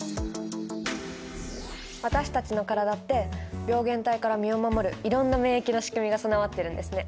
私たちの体って病原体から身を守るいろんな免疫のしくみが備わってるんですね。